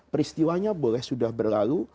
peristiwanya boleh sudah berlalu